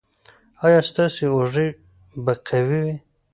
ایا ستاسو اوږې به قوي وي؟